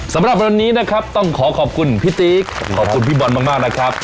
สำหรับวันนี้นะครับต้องขอขอบคุณพี่ติ๊กขอบคุณพี่บอลมากนะครับ